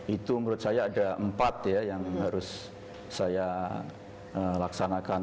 itu menurut saya ada empat ya yang harus saya laksanakan